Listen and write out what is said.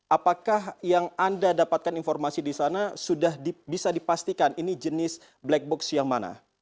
apakah yang anda dapatkan informasi di sana sudah bisa dipastikan ini jenis black box yang mana